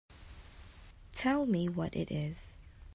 Tell me what it is.